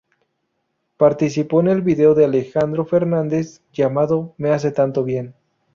Participó en el vídeo de Alejandro Fernández llamado "Me hace tanto bien".